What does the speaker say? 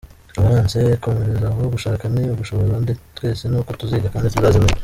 Valence, komereza aho, gushaka ni ugushobora, twese ni uko tuziga kandi tuzazimenya!.